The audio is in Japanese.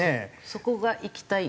そこがいきたい